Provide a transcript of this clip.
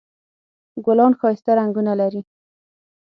ګلان ښایسته رنګونه لري